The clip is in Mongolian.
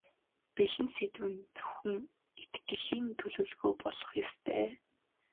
Бэлэн сэдэв нь зөвхөн илтгэлийн төлөвлөгөө болох ёстой.